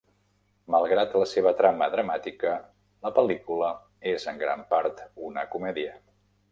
Malgrat la seva trama dramàtica, la pel·lícula és en gran part una comèdia.